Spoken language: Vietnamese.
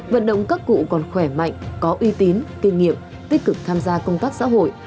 vận động các cụ còn khỏe mạnh có uy tín kinh nghiệm tích cực tham gia công tác xã hội